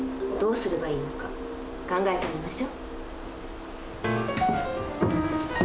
どうすればいいのか考えてみましょう。